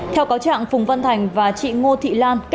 theo cáo trạng phùng văn thành và chị ngô thị lan